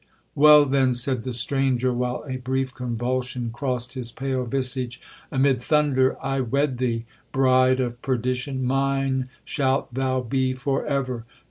'Well, then,' said the stranger, while a brief convulsion crossed his pale visage, 'amid thunder I wed thee—bride of perdition! mine shalt thou be for ever!